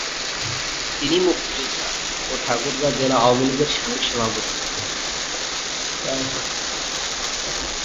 তিনি মুক্তিযুদ্ধা ও ঠাকুরগাঁও জেলা আওয়ামীলীগের সাবেক সভাপতি।